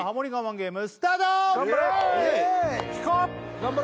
ゲームスタート頑張れ